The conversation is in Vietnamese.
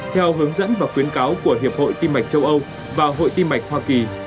theo hướng dẫn và khuyến cáo của hiệp hội tim mạch châu âu và hội tim mạch hoa kỳ